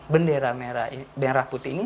banderah merah putih ini